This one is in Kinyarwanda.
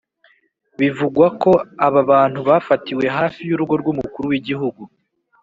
bivugwa ko aba bantu bafatiwe hafi y’urugo rw’umukuru w’igihugu